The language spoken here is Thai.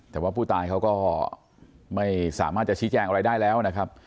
แต่ว่าผู้ตายเขาก็ไม่สามารถจะชี้แจงอะไรได้แล้วนะครับ